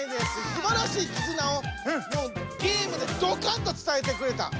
すばらしいキズナをゲームでドカンと伝えてくれた。